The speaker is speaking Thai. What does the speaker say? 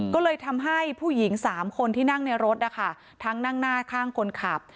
ก็เลยทำให้ผู้หญิง๓คนที่นั่งในรถนะคะทั้งนั่งหน้าข้างคนขับ